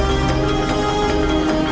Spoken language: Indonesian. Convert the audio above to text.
aku akan terus memburumu